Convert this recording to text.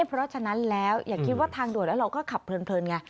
เพราะฉะนั้นแล้วอย่าคิดว่าทางด่วนแล้วเราก็ขับเพลินไง